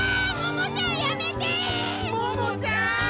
ももちゃん！